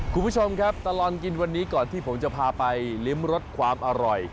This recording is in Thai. คุณผู้ชมครับตลอดกินวันนี้ก่อนที่ผมจะพาไปลิ้มรสความอร่อย